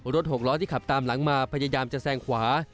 หกล้อที่ขับตามหลังมาพยายามจะแซงขวา